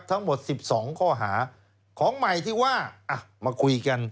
ทั้งหมด๑๒ข้อหาของใหม่ที่ว่ามาคุยกัน